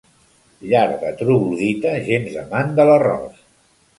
Llar de troglodita gens amant de l'arròs.